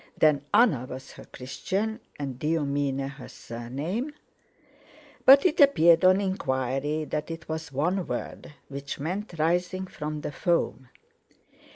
Then Anna was her Christian and Dyomene her surname? But it appeared, on inquiry, that it was one word, which meant rising from the foam.